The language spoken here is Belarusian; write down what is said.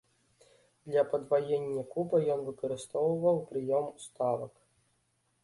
Для падваення куба ён выкарыстоўваў прыём уставак.